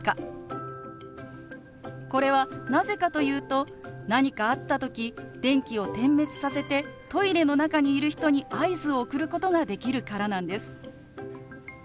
これはなぜかというと何かあった時電気を点滅させてトイレの中にいる人に合図を送ることができるからなんです。